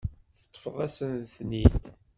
Teṭṭfeḍ-asen-ten-id.